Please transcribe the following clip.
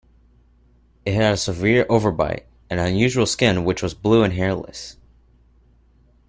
It had a severe overbite and unusual skin which was blue and hairless.